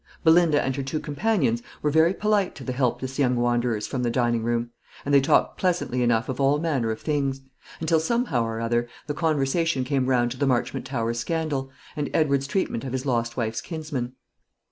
Belinda and her two companions were very polite to the helpless young wanderers from the dining room; and they talked pleasantly enough of all manner of things; until somehow or other the conversation came round to the Marchmont Towers scandal, and Edward's treatment of his lost wife's kinsman.